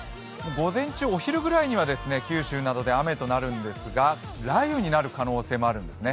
午前中、お昼ぐらいには九州などで雨となるんですが雷雨になる可能性もあるんですね。